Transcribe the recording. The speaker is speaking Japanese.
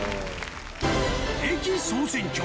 『駅総選挙』